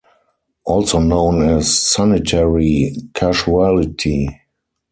Also known as sanitary casualty.